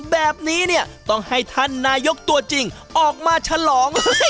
แบบนี้เนี่ยต้องให้ท่านนายกตัวจริงออกมาฉลอง